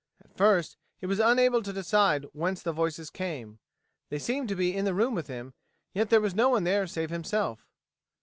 At first he was unable to decide whence the voices came. They seemed to be in the room with him, yet there was no one there save himself.